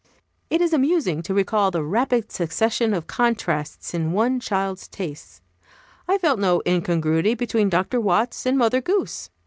It is amusing to recall the rapid succession of contrasts in one child's tastes. I felt no incongruity between Dr. Watts and Mother Goose.